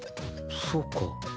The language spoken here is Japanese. そうか。